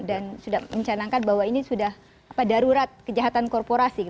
dan sudah mencanangkan bahwa ini sudah darurat kejahatan korporasi